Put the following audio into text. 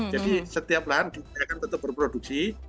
jadi setiap lahan dipercaya akan tetap berproduksi